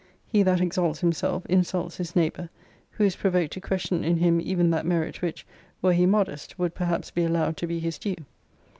He that exalts himself insults his neighbour; who is provoked to question in him even that merit, which, were he modest, would perhaps be allowed to be his due.